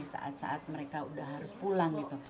saat saat mereka sudah harus pulang